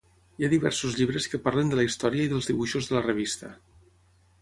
Hi ha diversos llibres que parlen de la història i dels dibuixos de la revista.